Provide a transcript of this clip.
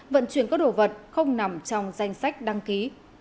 vận chuyển các đồ vật không nằm trong danh sách đăng ký